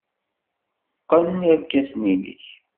Qqen irkasen-nnek.